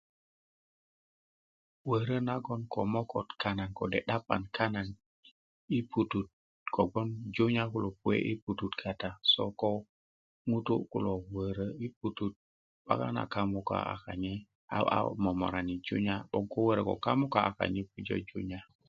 wörö nagon ko mokot kana kode 'dapan kana i putut kobgoŋ junya kulo puet kak i putut so ko ŋutu kulo wörö kana 'bakan na kamuka a momorani junya 'boŋ ko ko ko kamuka a kanye pujö junya